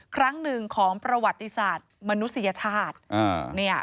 ครั้งหนึ่งของประวัติศาสตร์มนุษยชาติ